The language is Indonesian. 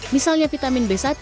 misalnya vitamin b satu